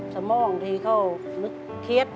สม่อที่เขาเคลียดเทลบมาก